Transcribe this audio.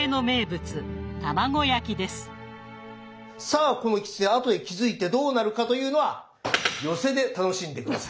さあこのきつね後で気付いてどうなるかというのは寄席で楽しんで下さいね。